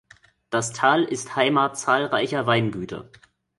Das Tal ist Heimat zahlreicher Weingüter.